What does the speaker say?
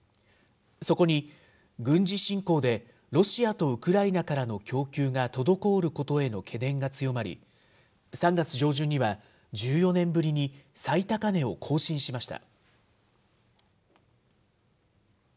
そこに軍事侵攻で、ロシアとウクライナからの供給が滞ることへの懸念が強まり、３月上旬には１４年ぶりに最高値を更新しました。